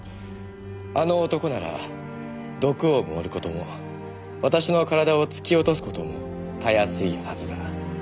「あの男なら毒を盛ることも私の体を突き落とすことも容易いはずだ」